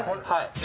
はい。